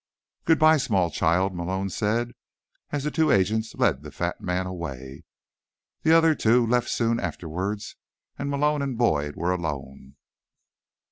"Goodbye, small child," Malone said, as two agents led the fat man away. The other two left soon afterward, and Malone and Boyd were alone.